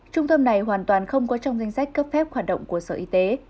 trung tâm này hoàn toàn không có trong danh sách cấp phép hoạt động của sở y tế